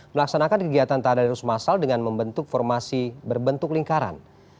melaksanakan kegiatan tadarus masal dengan membentuk formasi berbentuk lingkaran